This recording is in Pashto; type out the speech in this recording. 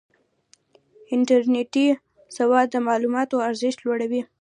انټرنېټي سواد د معلوماتو ارزښت لوړوي.